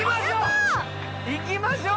行きましょう！